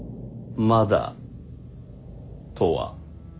「まだ」とは？